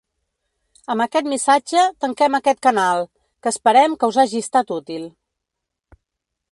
Amb aquest missatge tanquem aquest canal, que esperem que us hagi estat útil.